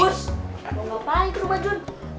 mau ngapain di rumah jun